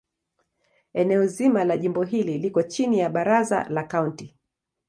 Eneo zima la jimbo hili liko chini ya Baraza la Kaunti.